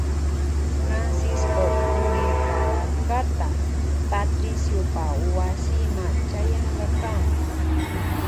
Francisco purirka larkata Patriciopa wasima chayankakama.